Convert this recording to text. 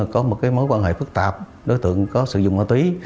có một mối quan hệ phức tạp đối tượng có sử dụng ma túy